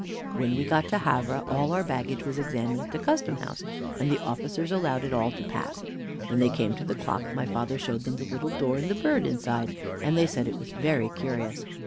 "When we got to Havre, all our baggage was examined at the Custom House, and the officers allowed it all to pass. When they came to the clock, my father showed them the little door and the bird inside, and they said it was very curious.